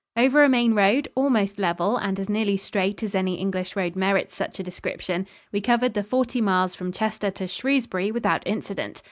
Over a main road, almost level and as nearly straight as any English road merits such a description, we covered the forty miles from Chester to Shrewsbury without incident.